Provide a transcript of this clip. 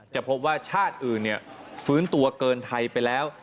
จะพบว่าชาติอื่นฟื้นตัวเกินไทยไปแล้ว